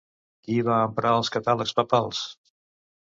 Qui va emprar els catàlegs papals?